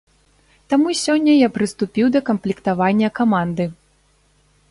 Таму сёння я прыступіў да камплектавання каманды.